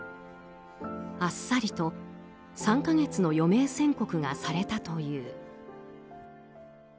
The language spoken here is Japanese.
あっさりと３か月の余命宣告がされたという。